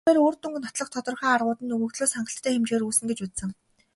Тэр бээр үр дүнг нотлох тодорхой аргууд нь өгөгдлөөс хангалттай хэмжээгээр үүснэ гэж үзсэн.